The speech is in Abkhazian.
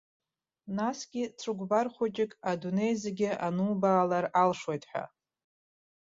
Насгьы цәыкәбар хәыҷык адунеи зегьы анубаалар алшоит ҳәа.